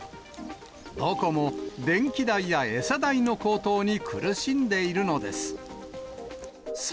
どこも電気代や餌代の高騰に苦しんでいるのです。